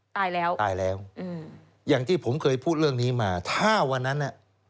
ตายแล้วอย่างที่ผมเคยพูดเรื่องนี้มาถ้าวันนั้น